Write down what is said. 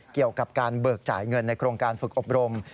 เกี่ยวกับการเบิกจ่ายเงินในโครงการฝึกอบรม